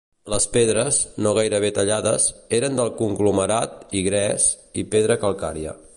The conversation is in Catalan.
Les pedres, no gairebé tallades eren del conglomerat i gres i pedra calcària.